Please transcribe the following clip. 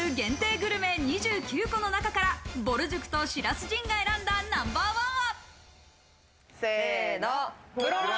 グルメ２９個の中から、ぼる塾と白洲迅が選んだナンバーワンは。